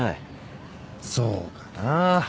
そうかな。